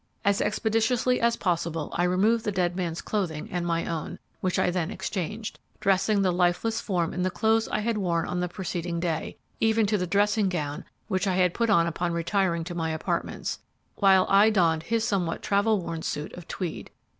As expeditiously as possible I removed the dead man's clothing and my own, which I then exchanged, dressing the lifeless form in the clothes I had worn on the preceding day, even to the dressing gown which I had put on upon retiring to my apartments, while I donned his somewhat travel worn suit of tweed.